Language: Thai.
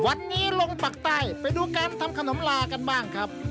วันนี้ลงปักใต้ไปดูการทำขนมลากันบ้างครับ